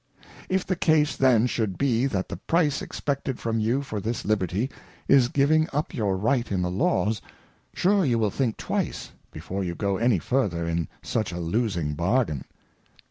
IfTEie Case then should be, that the Price expected fro m you for this Liberty, is^givjng^uj) your Right in the Laws, surejou will think twice, before you go any further in such_a, losing Bargain.